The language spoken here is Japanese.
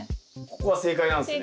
ここは正解なんすね。